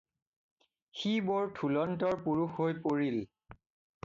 সি বৰ থূলন্তৰ পুৰুষ হৈ পৰিল।